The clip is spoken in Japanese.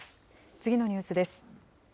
次のニュースです。